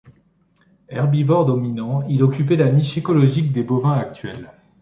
Herbivore dominant, il occupait la niche écologique des bovins actuels.